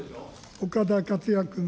岡田克也君。